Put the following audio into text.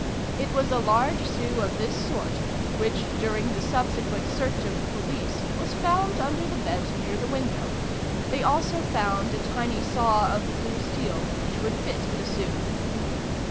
It was a large sou of this sort which, during the subsequent search of the police, was found under the bed near the window. They also found a tiny saw of blue steel which would fit the sou.